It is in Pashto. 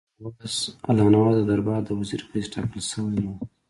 الله نواز د دربار د وزیر په حیث ټاکل شوی وو.